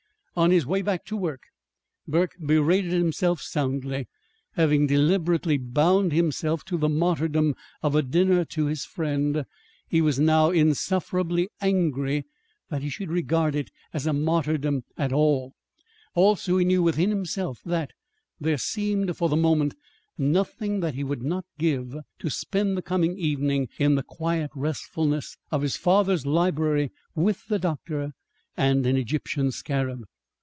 On his way back to work Burke berated himself soundly. Having deliberately bound himself to the martyrdom of a dinner to his friend, he was now insufferably angry that he should regard it as a martyrdom at all. Also he knew within himself that there seemed, for the moment, nothing that he would not give to spend the coming evening in the quiet restfulness of his father's library with the doctor and an Egyptian scarab.